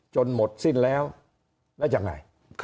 หมดสิ้นแล้วแล้วยังไง